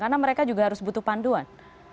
karena mereka juga harus butuh panduan